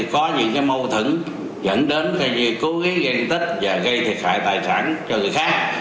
có những mâu thẫn dẫn đến cố gây ghen tích và gây thiệt hại tài sản cho người khác